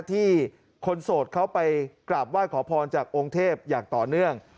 ที่คนโสดเขาไปกราบไหว้ขอพรจากองค์เทพอย่างต่อเนื่อง